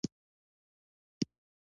د تېر وخت ښه یا بده پېښه په یاد کړئ.